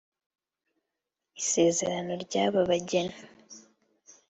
Isezerano ry’aba bageni